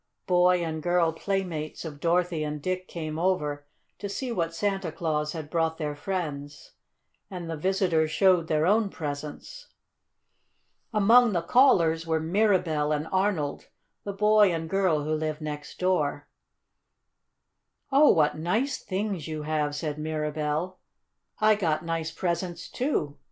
Boy and girl playmates of Dorothy and Dick came over to see what Santa Claus had brought their friends, and the visitors showed their own presents. Among the callers were Mirabell and Arnold, the boy and girl who lived next door. "Oh, what nice things you have!" said Mirabell. "I got nice presents, too.